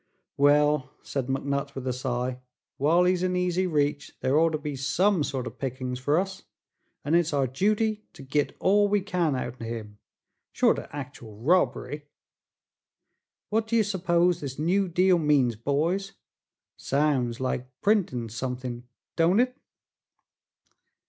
"Well," said McNutt with a sigh, "while he's in easy reach there orter be some sort o' pickings fer us, an' it's our duty to git all we can out'n him short o' actoo al robbery. What do ye s'pose this new deal means, boys? Sounds like printin' somethin', don't it?"